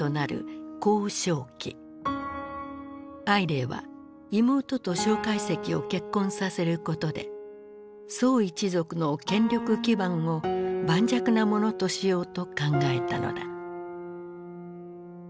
靄齢は妹と介石を結婚させることで宋一族の権力基盤を盤石なものとしようと考えたのだ。